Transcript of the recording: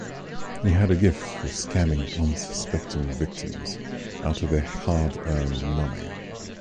He had a gift for scamming unsuspecting victims out of their hard-earned money.